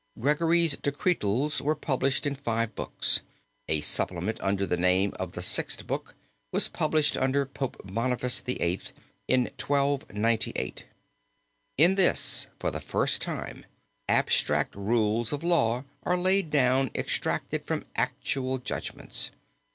Gregory's decretals were published in five books; a supplement under the name of the sixth book was published under Pope Boniface VIII. in 1298. In this for the first time abstract rules of law are laid down extracted from actual judgments.